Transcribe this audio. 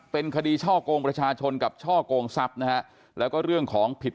เป็นคดีช่อกงประชาชนกับช่อกงทรัพย์นะฮะแล้วก็เรื่องของผิด